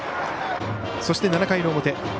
そして、７回の表。